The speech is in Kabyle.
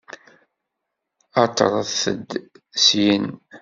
Aṭret-d syin!